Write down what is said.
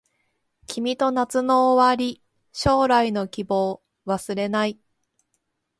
君と夏の終わり将来の希望忘れない